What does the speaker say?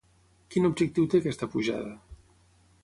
Quin objectiu té aquesta pujada?